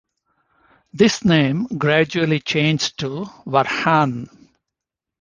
This name gradually changed to Varjan.